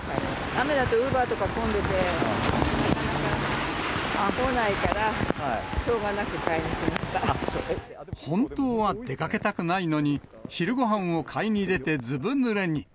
雨だと、ウーバーとか混んでてなかなか来ないから、しょうがなく本当は出かけたくないのに、昼ごはんを買いに出てずぶぬれに。